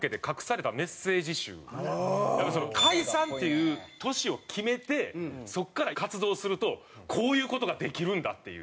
やっぱ解散っていう年を決めてそこから活動するとこういう事ができるんだっていう。